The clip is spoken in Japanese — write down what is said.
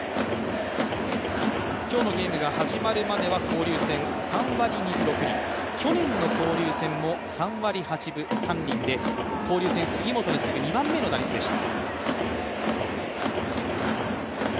今日のゲームが始まるまでは交流園３割２分６厘、去年の交流戦も３割８分３厘で交流戦、杉本に次ぐ２番目の打率でした。